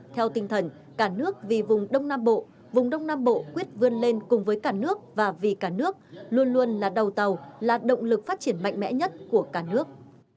theo tinh thần cả nước vì vùng đông nam bộ vùng đông nam bộ quyết vươn lên cùng với cả nước và vì cả nước luôn luôn là đầu tàu là động lực phát triển mạnh mẽ nhất của cả nước